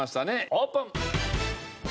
オープン！